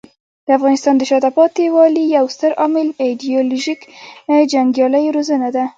د افغانستان د شاته پاتې والي یو ستر عامل ایډیالوژیک جنګیالیو روزنه ده.